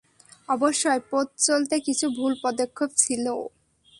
অবশ্যই, পথ চলতে কিছু ভুল পদক্ষেপ ছিল।